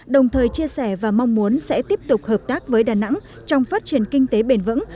đồng thời chia sẻ và mong muốn sẽ tiếp tục hợp tác với đà nẵng trong phát triển kinh tế bền vững